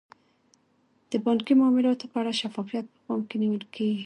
د بانکي معاملاتو په اړه شفافیت په پام کې نیول کیږي.